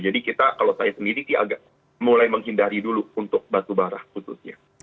jadi kita kalau tanya sendiri agak mulai menghindari dulu untuk batubara putusnya